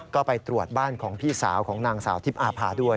ก็ไปตรวจบ้านของพี่สาวของนางสาวทิพย์อาภาด้วย